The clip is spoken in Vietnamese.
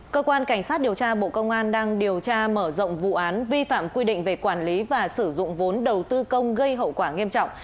cơ quan cảnh sát điều tra bộ công an đang điều tra mở rộng vụ án vi phạm quy định về quản lý và sử dụng vốn đầu tư công gây hậu quả nghiêm trọng